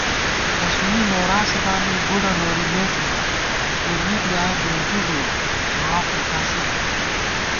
تسُونی مېراثہ دامی بُڈہ نوری مےݪِمان * څُورمی بۡلیایَہ بېنٹی ݫُوَہ جواب پتا سے ݪِمان